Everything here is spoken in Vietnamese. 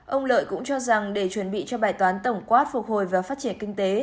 ông lợi cũng cho rằng để chuẩn bị cho bài toán tổng quát phục hồi và phát triển kinh tế